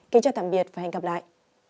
kính chào tạm biệt và hẹn gặp lại